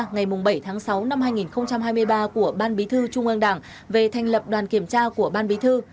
ngày bảy tháng sáu năm hai nghìn hai mươi ba của ban bí thư trung ương đảng về thành lập đoàn kiểm tra của ban bí thư